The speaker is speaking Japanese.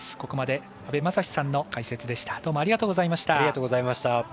ここまで阿部雅司さんの解説でした。